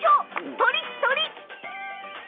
とりっとり！